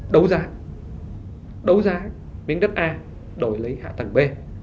đấu giá đấu giá miếng đất a đổi lấy hạ tầng b